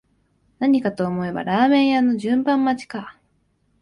何かと思えばラーメン屋の順番待ちか